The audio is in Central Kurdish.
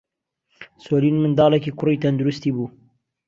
سۆلین منداڵێکی کوڕی تەندروستی بوو.